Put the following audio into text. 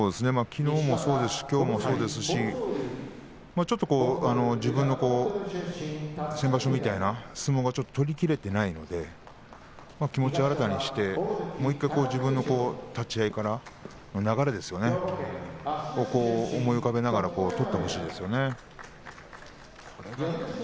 きのうもそうですしきょうもそうですし先場所みたいな相撲が取りきれていないので気持ちを新たにしてもう１回、自分の立ち合い、流れを思い浮かべながら取ってほしいですね。